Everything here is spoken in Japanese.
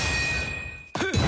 フッ！